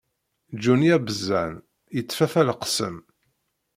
Johnny abeẓẓan yettfafa leqsem.